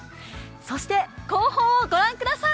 そして後方をご覧ください。